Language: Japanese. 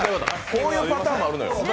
こういうパターンもあるのよ。